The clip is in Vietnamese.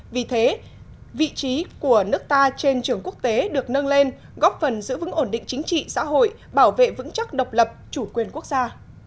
vì thế vị trí của nước ta trên trường quốc tế được nâng lên góp phần giữ vững ổn định chính trị xã hội bảo vệ vững chắc độc lập chủ quyền quốc gia